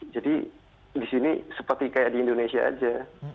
jadi di sini seperti kayak di indonesia aja